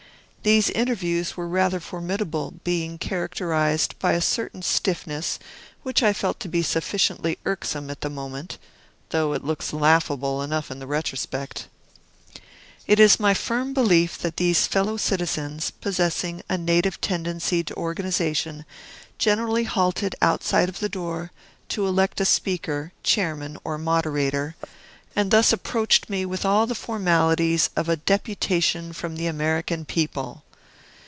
These interviews were rather formidable, being characterized by a certain stiffness which I felt to be sufficiently irksome at the moment, though it looks laughable enough in the retrospect. It is my firm belief that these fellow citizens, possessing a native tendency to organization, generally halted outside of the door to elect a speaker, chairman, or moderator, and thus approached me with all the formalities of a deputation from the American people.